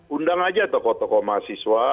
undang aja tokoh tokoh mahasiswa